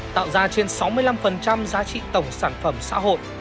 tạo ra trên sáu mươi năm giá trị tổng sản phẩm xã hội